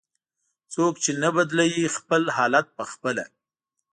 "څوک چې نه بدلوي خپل حالت په خپله".